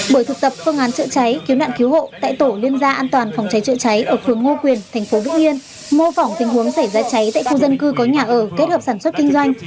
buổi thực tập phương án chữa cháy cứu nạn cứu hộ tại tổ liên gia an toàn phòng cháy chữa cháy ở phường ngô quyền thành phố vũng yên mô phỏng tình huống xảy ra cháy tại khu dân cư có nhà ở kết hợp sản xuất kinh doanh